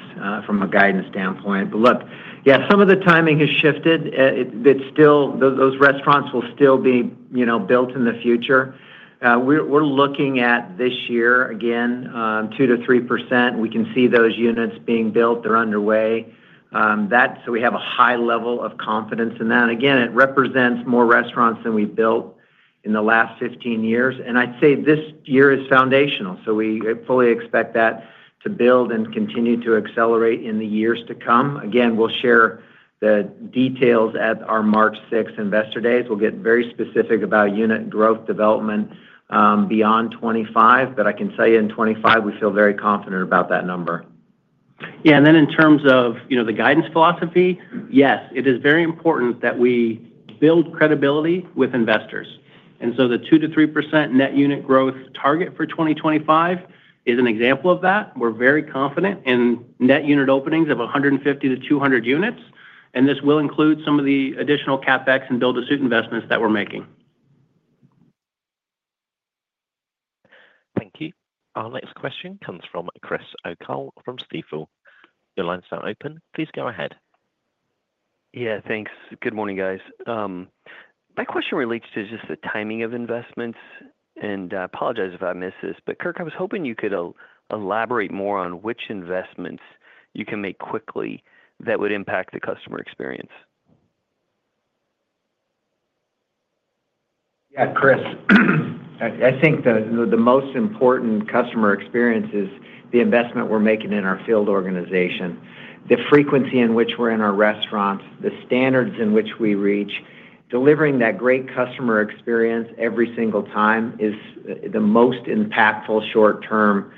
from a guidance standpoint. But look, yeah, some of the timing has shifted. It's still those restaurants will still be, you know, built in the future. We're looking at this year again 2%-3%. We can see those units being built. They're underway. That, so we have a high level of confidence in that. Again, it represents more restaurants than we built in the last 15 years. And I'd say this year is foundational. So we fully expect that to build and continue to accelerate in the years to come. Again, we'll share the details at our March 6th Investor Day. We'll get very specific about unit growth development beyond 2025. But I can say in 2025 we feel very confident about that number.
Yeah. And then in terms of, you know, the guidance philosophy, yes, it is very important that we build credibility with investors. And so the 2%-3% net unit growth target for 2025 is an example of that. We're very confident. And net unit openings of 150-200 units. And this will include some of the additional CapEx and build-to-suit investments that we're making.
Thank you. Our next question comes from Chris O'Cull from Stifel. Your lines are open. Please go ahead.
Yeah, thanks. Good morning, guys. My question relates to just the timing of investments and I apologize if I missed this, but Kirk, I was hoping you could elaborate more on which investments you can make quickly that would impact the customer experience?
Yeah, Chris. I think the most important customer experience is the investment we're making in our field organization, the frequency in which we're in our restaurants, the standards in which we reach. Delivering that great customer experience every single time is the most impactful short-term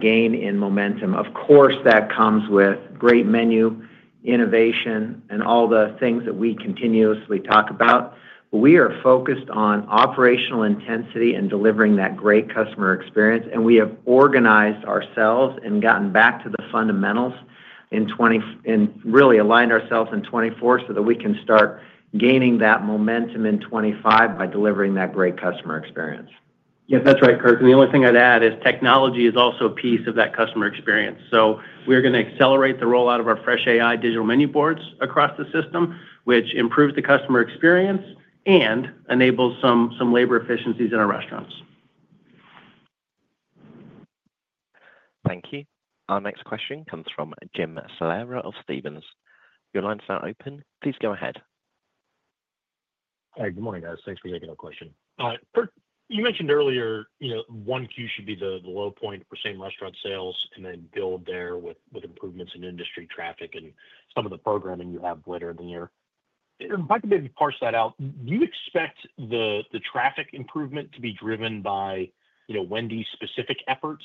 gain in momentum. Of course that comes with great menu innovation and all the things that we continuously talk about. We are focused on operational intensity and delivering that great customer experience. And we have organized ourselves and gotten back to the fundamentals and really aligned ourselves in 2024 so that we can start gaining that momentum in 2025 by delivering that great customer experience.
Yes, that's right, Kirk. The only thing I'd add is technology is also a piece of that customer experience. So we're going to accelerate the rollout of our FreshAI digital menu boards across the system, which improves the customer experience and enables some labor efficiencies in our restaurants.
Thank you. Our next question comes from Jim Salera of Stephens. Your lines are open. Please go ahead.
Hey, good morning, guys. Thanks for taking a question you mentioned earlier. You know, 1Q should be the low point for same-restaurant sales and then build there with improvements in industry traffic and some of the programming you have later in the year. If I could maybe parse that out. Do you expect the traffic improvement to. Be driven by, you know, Wendy's specific efforts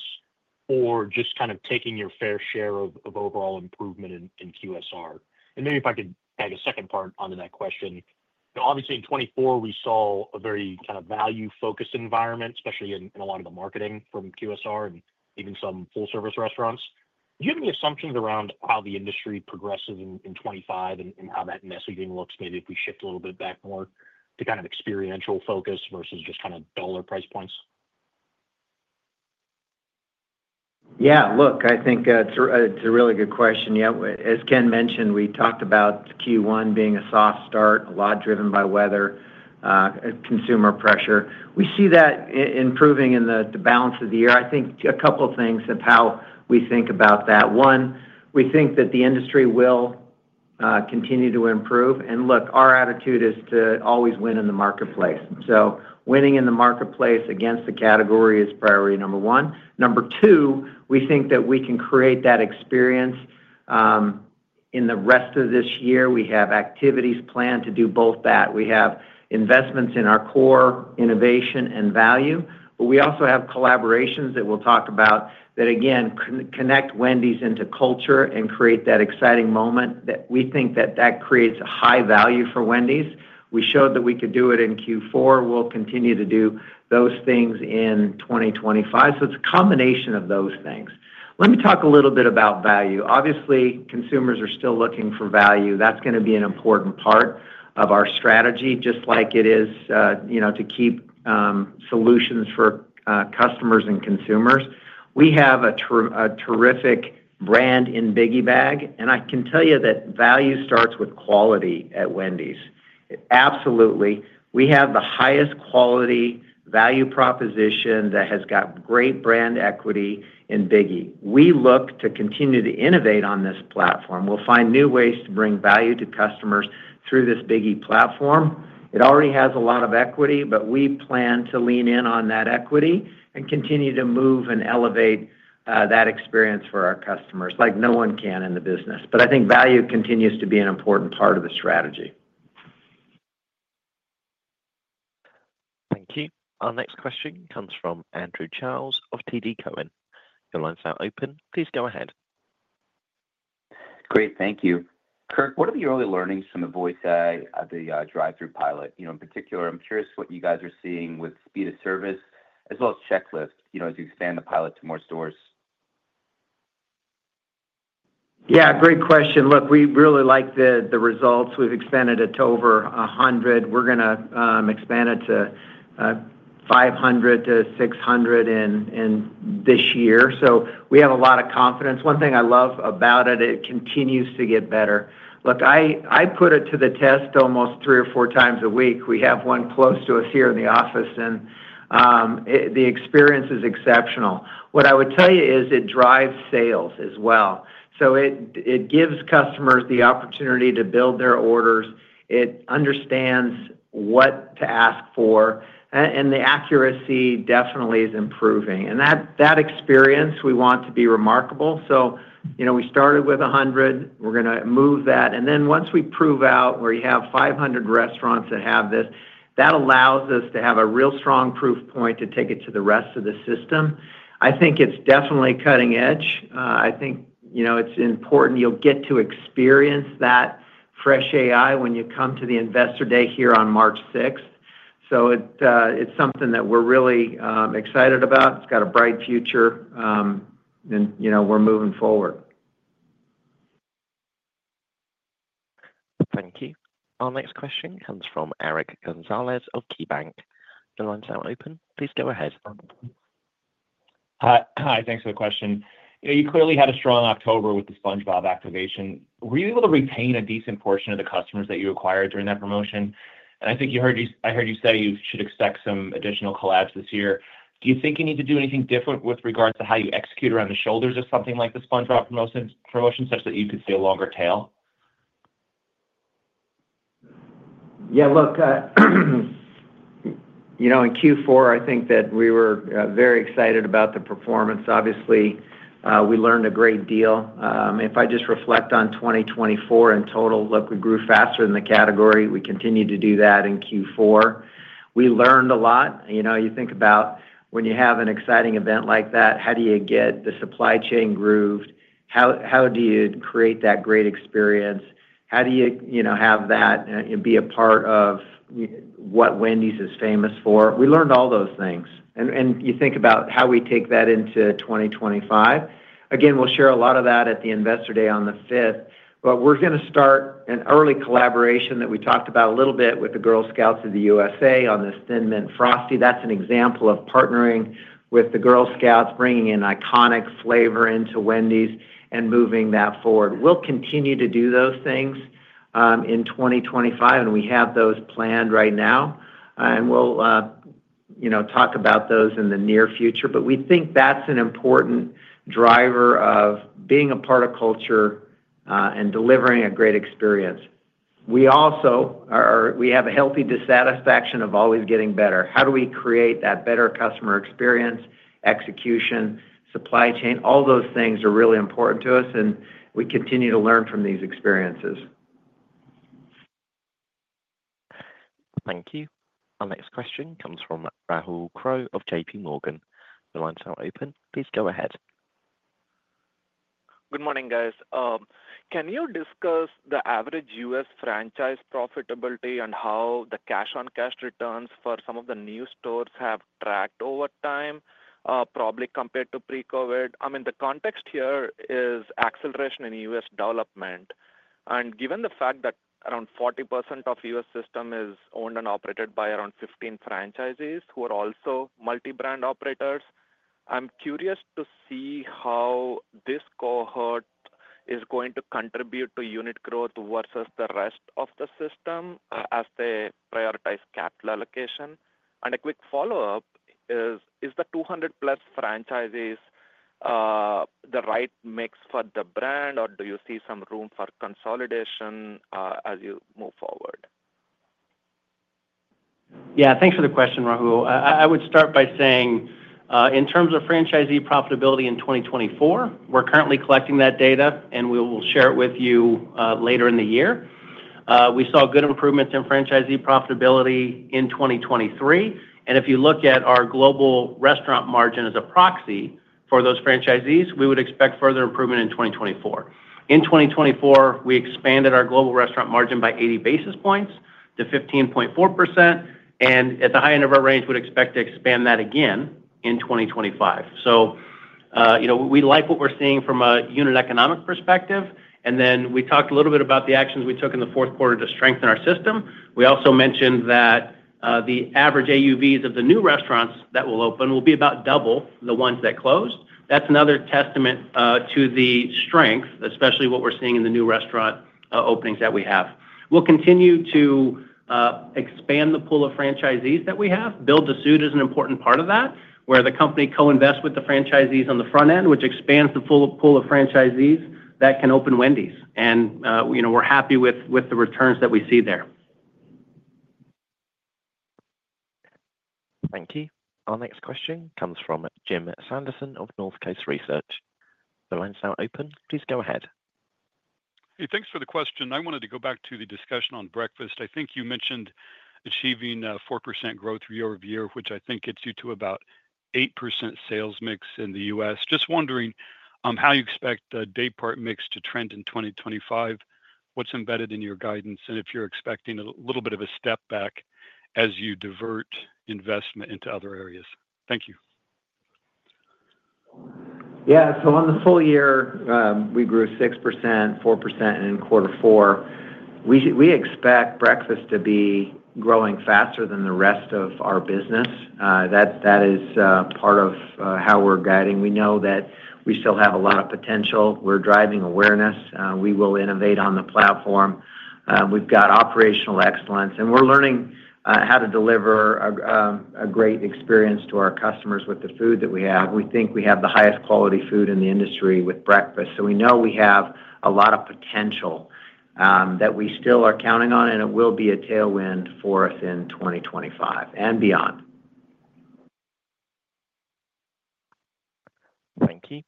or just kind of taking your fair share of overall improvement in QSR? And maybe if I could tag a second part onto that question. Obviously in 2024 we saw a very kind of value-focused environment, especially in a lot of the marketing from QSR. And even some full-service restaurants. Do you have any assumptions around how the industry progresses in 2025 and how that messaging looks? Maybe if we shift a little bit back more to kind of experiential focus versus just kind of dollar price.
Yeah, look, I think it's a really good question yet. As Ken mentioned, we talked about Q1 being a soft start, a lot driven by weather consumer pressure. We see that improving in the balance of the year. I think a couple of things of how we think about that. One, we think that the industry will continue to improve and look, our attitude is to always win in the marketplace. So winning in the marketplace against the category is priority number one. Number two, we think that we can create that experience. In the rest of this year, we have activities planned to do both that. We have investments in our core innovation and value, but we also have collaborations that we'll talk about that again connect Wendy's into culture and create that exciting moment. We think that that creates a high value for Wendy's. We showed that we could do it in Q4. We'll continue to do those things in 2025. So it's a combination of those things. Let me talk a little bit about value. Obviously, consumers are still looking for value. That's going to be an important part of our strategy, just like it is, you know, to keep solutions for customers and consumers. We have a terrific brand in Biggie Bag and I can tell you that value starts with quality at Wendy's. Absolutely. We have the highest quality value proposition that has got great brand equity. In Biggie, we look to continue to innovate on this platform. We'll find new ways to bring value to customers through this Biggie platform. It already has a lot of equity, but we plan to lean in on that equity and continue to move and elevate that experience for our customers like no one can in the business. But I think value continues to be an important part of the strategy. Thank you. Our next question comes from Andrew Charles of TD Cowen. Your line is now open. Please go ahead.
Great, thank you. Kirk. What are the early learnings from the voice AI, the drive-thru pilot? You know, in particular, I'm curious what you guys are seeing with speed of service as well as accuracy, you know, as you expand the pilot to more stores.
Yeah, great question. Look, we really like the results. We've expanded it to over 100. We're going to expand it to 500 to 600 in this year. So we have a lot of confidence. One thing I love about it, it continues to get better. Look, I put it to the test almost three or four times a week. We have one close to us here in the office and the experience is exceptional. What I would tell you is it drives sales as well, so it gives customers the opportunity to build their orders. It understands what to ask for. And the accuracy definitely is improving. And that experience, we want to be remarkable. So, you know, we started with 100. We're going to move that. And then once we prove out where you have 500 restaurants that have this, that allows us to have a real strong proof point to take it to the rest of the system. And I think it's definitely cutting edge. I think it's important you'll get to experience that FreshAI when you come to the Investor Day here on March 6th. It's something that we're really excited about. It's got a bright future and we're moving forward.
Thank you. Our next question comes from Eric Gonzalez of KeyBanc. The line's now open. Please go ahead.
Hi. Thanks for the question. You clearly had a strong October with the SpongeBob activation. Were you able to retain a decent portion of the customers that you acquired during that promotion? And I think you heard, I heard you say you should expect some additional collabs this year. Do you think you need to do anything different with regards to how you execute around the shoulders of something like the SpongeBob promotion, such that you could see a longer tail?
Yeah, look. You know, in Q4, I think that we were very excited about the performance. Obviously, we learned a great deal. If I just reflect on 2024 in total, look, we grew faster than the category. We continued to do that in Q4. We learned a lot. You know, you think about when you have an exciting event like that, how do you get the supply chain grooved? How do you create that great experience? How do you have that and be a part of what Wendy's is famous for? We learned all those things and you think about how we take that into 2025 again. We'll share a lot of that at the Investor Day on the 5th, but we're going to start an early collaboration that we talked about a little bit with the Girl Scouts of the U.S.A. on this Thin Mints Frosty. That's an example of partnering with the Girl Scouts, bringing an iconic flavor into Wendy's and moving that forward. We'll continue to do those things in 2025 and we have those planned right now and we'll talk about those in the near future. But we think that's an important driver of being a part of culture and delivering a great experience. We also have a healthy dissatisfaction of always getting better. How do we create that better customer experience? Experience, execution, supply chain, all those things are really important to us and we continue to learn from these experiences. Thank you. Our next question comes from Rahul Krotthapalli of JPMorgan. The lines are open. Please go ahead.
Good morning guys. Can you discuss the average U.S. franchise profitability and how the cash-on-cash returns for or some of the new stores have tracked over time probably compared to pre-COVID? I mean the context here is acceleration in U.S. development and given the fact that around 40% of U.S. system is owned and operated by around 15 franchisees who are also multi-brand operators. I'm curious to see how this cohort is going to contribute to unit growth versus the rest of the system as they prioritize capital allocation. A quick follow up is the 200 plus franchisees the right mix for the brand or do you see some room for consolidation as you move forward?
Yeah, thanks for the question, Rahul. I would start by saying in terms of franchisee profitability in 2024, we're currently collecting that data and we will share it with you later in the year. We saw good improvements in franchisee profitability in 2023 and if you look at our global restaurant margin as a proxy for those franchisees, we would expect further improvement in 2024. In 2024 we expanded our global restaurant margin by 80 basis points to 15.4% and at the high end of our range would expect to expand that again in 2025. So, you know, we like what we're seeing from a unit economic perspective. And then we talked a little bit about the actions we took in the fourth quarter to strengthen our system. We also mentioned that the average AUVs of the new restaurants that will open will be about double the ones that closed. That's another testament to the strength, especially what we're seeing in the new restaurant openings that we have. We'll continue to expand. The pool of franchisees that we have Build-to-Suit is an important part of that where the company co-invests with the franchisees on the front end, which expands the full pool of franchisees that can open Wendy's, and, you know, we're happy with the returns that we see there. Thank you. Our next question comes from Jim Sanderson of Northcoast Research. The line is now open. Please go ahead.
Hey, thanks for the question. I wanted to go back to the discussion on breakfast. I think you mentioned achieving 4% growth. Year over year, which I think gets. You got to about 8% sales mix in the U.S. Just wondering how you expect the daypart mix to trend in 2025. What's embedded in your guidance and if you're expecting a little bit of a step back as you divert investment into other areas. Thank you.
Yeah. So, on the full year, we grew 6%, 4% in quarter four. We expect breakfast to be growing faster than the rest of our business. That is part of how we're guiding. We know that we still have a lot of potential. We're driving awareness, we will innovate on the platform. We've got operational excellence and we're learning how to deliver a great experience to our customers with the food that we have. We think we have the highest quality food in the industry with breakfast. So we know we have a lot of potential that we still are counting on and it will be a tailwind for us in 2025 and beyond. Thank you.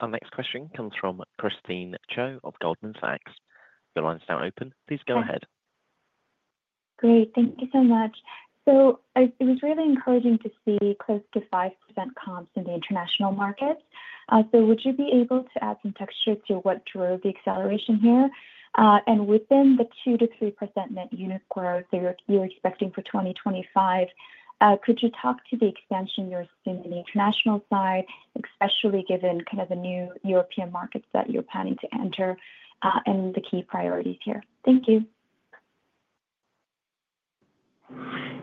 Our next question comes from Christine Cho of Goldman Sachs. Your line is now open. Please go ahead.
Great. Thank you so much. It was really encouraging to see close to 5% comps in the international market. Would you be able to add some texture to what drove the acceleration here and within the 2%-3% net unit growth that you're expecting for 2025? Could you talk to the expansion you're seeing on the international side, especially given kind of the new European markets that you're planning to enter and the key priorities here? Thank you.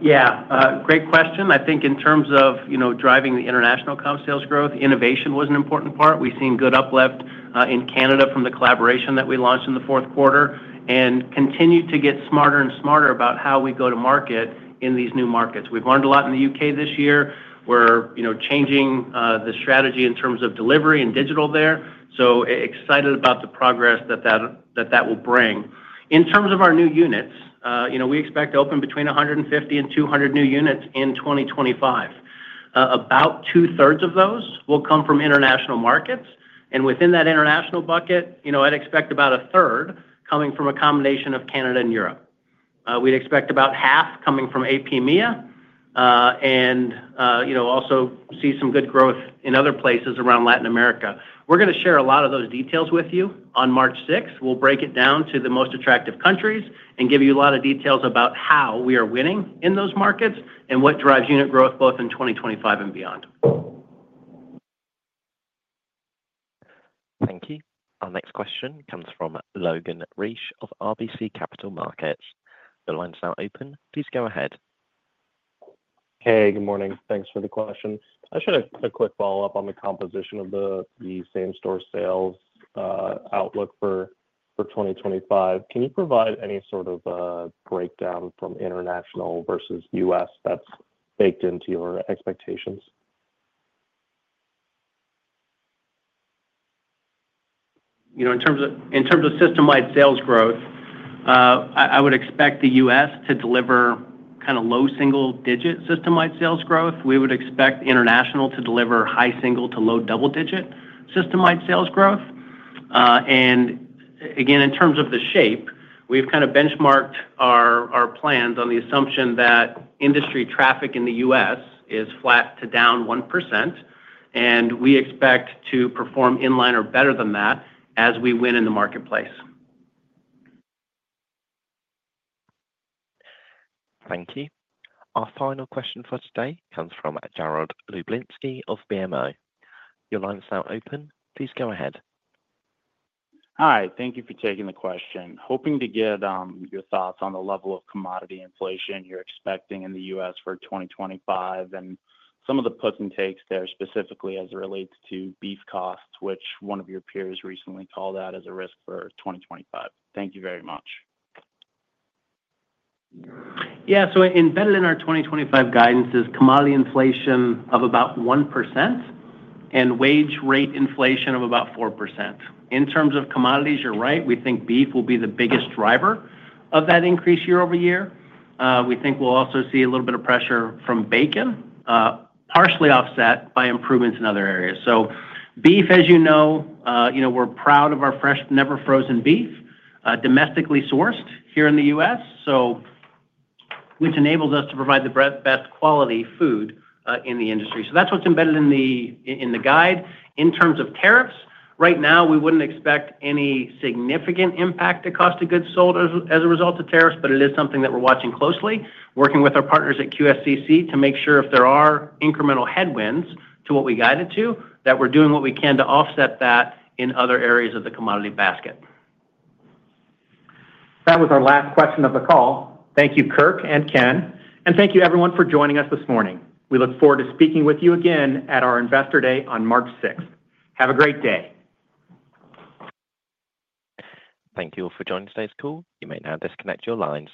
Yeah, great question. I think in terms of driving the international comp sales growth. Innovation was an important part. We've seen good uplift in Canada from the collaboration that we launched in the fourth quarter and continued to get smarter and smarter about how we go to market in these new markets. We've learned a lot in the U.K. this year. We're, you know, changing the strategy in terms of delivery and digital there. So excited about the progress that will bring in terms of our new units. You know, we expect to open between 150-200 new units in 2025. About 2/3 of those will come from international markets. And within that international bucket, you know, I'd expect about 1/3 coming from a combination of Canada and Europe.
We'd expect about 1/2 coming from APMEA and you know, also see some good growth in other places around Latin America. We're going to share a lot of those details with you on March 6th. We'll break it down to the most attractive countries and give you a lot of details about how we are winning in those markets and what drives unit growth both in 2025 and beyond. Thank you. Our next question comes from Logan Reich of RBC Capital Markets. The line is now open. Please go ahead.
Hey, good morning. Thanks for the question. I should have a quick follow up. On the composition of the same store sales outlook for 2025. Can you provide any sort of breakdown? From international versus U.S. that's baked into your expectations?
You know, in terms of systemwide sales growth, I would expect the U.S. to deliver kind of low single digit systemwide sales growth. We would expect international to deliver high single to low double digit systemwide sales growth, and again, in terms of the shape, we've kind of benchmarked our plans on the assumption that industry traffic in the U.S. is flat to down 1% and we expect to perform in line or better than that as we win in the marketplace.
Thank you. Our final question for today comes from Jared Hludzinski of BMO. Your line is now open. Please go ahead.
Hi, thank you for taking the question. Hoping to get your thoughts on the level of commodity and inflation you're expecting in the U.S. for 2025 and some of the puts and takes there specifically as it relates to beef costs, which one of your peers recently called out as a risk for 2025. Thank you very much.
Yeah, so embedded in our 2025 guidance is commodity inflation of about 1% and wage rate inflation of about 4%. In terms of commodities, you're right. We think beef will be the biggest driver of that increase year over year. We think we'll also see a little bit of pressure from bacon partially offset by improvements in other areas, so beef as you know, you know we're proud of our fresh, never frozen beef domestically sourced here in the U.S., so which enables us to provide the best quality food in the industry, so that's what's embedded in the, in the guide. In terms of tariffs right now, we wouldn't expect any significant impact to cost of goods sold as a result of tariffs, but it is something that we're watching closely, working with our partners at QSCC to make sure if there are incremental headwinds to what we guided to that we're doing what we can to offset that in other areas of the commodity basket.
That was our last question of the call. Thank you, Kirk and Ken, and thank you everyone for joining us this morning. We look forward to speaking with you again at our Investor Day on March 6th. Have a great day. Thank you all for joining today's call. You may now disconnect your lines.